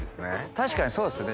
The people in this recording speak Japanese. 確かにそうですね。